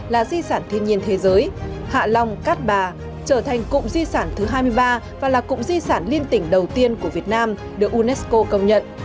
là di sản thiên nhiên thế giới hạ long cát bà trở thành cụm di sản thứ hai mươi ba và là cụm di sản liên tỉnh đầu tiên của việt nam được unesco công nhận